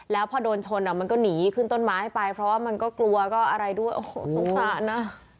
แล้วพอโดนชนมันก็หนีขึ้นต้นไม้ไปเพราะว่ามันก็กลัวก็อะไรด้วยโอ้โหสงสารนะ